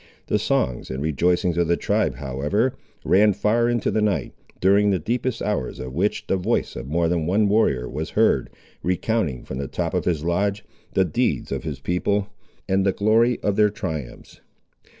The songs and rejoicings of the tribe, however, ran far into the night, during the deepest hours of which, the voice of more than one warrior was heard, recounting from the top of his lodge, the deeds of his people and the glory of their triumphs.